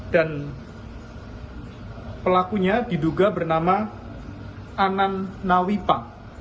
dan pelakunya diduga bernama anan nawipa